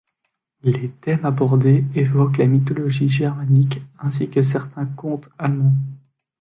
Les thèmes abordés évoquent la mythologie germanique ainsi que certains contes allemands.